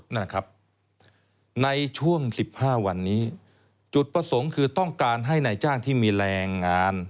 นั่นครับในช่วง๑๕วันนี้จุดประสงค์คือต้องการให้นายจ้างที่มีแรงงาน